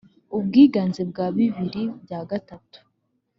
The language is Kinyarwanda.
ubwiganze bwa bibiri bya gatatu